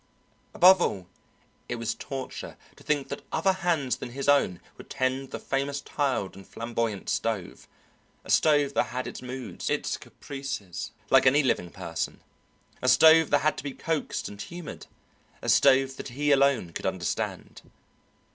Above all, it was torture to think that other hands than his own would tend the famous tiled and flamboyant stove, a stove that had its moods, its caprices, like any living person, a stove that had to be coaxed and humoured, a stove that he alone could understand.